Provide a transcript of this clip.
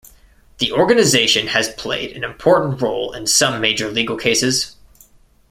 The organization has played an important role in some major legal cases.